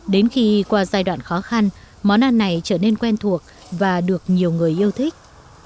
đến khi qua giai đoạn khó khăn món ăn này trở nên quen thuộc và được nhiều người yêu thích